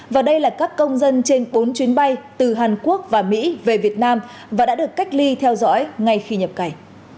và đây là các công dân trên bốn chuyến bay từ hàn quốc và mỹ về việt nam và đã được cách ly theo dõi ngay khi nhập cảnh